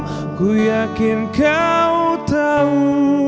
aku yakin kau tahu